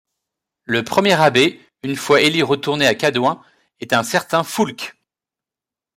Le premier abbé, une fois Élie retourné à Cadouin, est un certain Foulque.